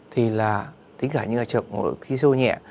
tính cả những trường hợp nguồn độc khí siêu nhẹ